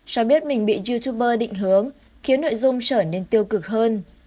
cho biết mình bị youtuber định hướng khiến nội dung trở nên tiêu cực hơn